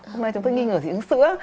hôm nay chúng tôi nghi ngờ dị ứng sữa